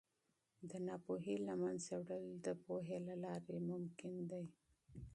د ناپوهۍ له منځه وړل د پوهې له لارې شوني دي.